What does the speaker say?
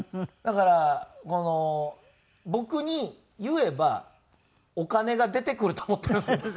だから僕に言えばお金が出てくると思ってるんですよ。